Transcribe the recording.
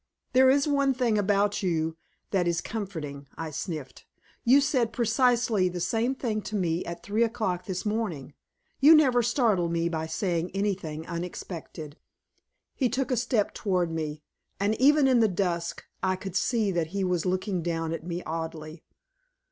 "There is one thing about you that is comforting," I sniffed. "You said precisely the same thing to me at three o'clock this morning. You never startle me by saying anything unexpected." He took a step toward me, and even in the dusk I could see that he was looking down at me oddly.